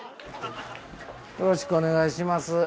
よろしくお願いします。